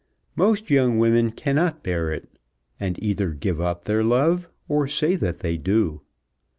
Most young women cannot bear it, and either give up their love or say that they do.